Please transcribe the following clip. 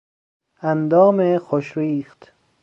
اندام خوش ریخت